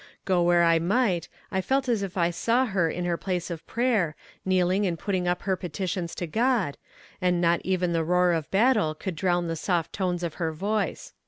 Go where I might I felt as if I saw her in her place of prayer, kneeling and putting up her petitions to God, and not even the roar of battle could drown the soft tones of her voice."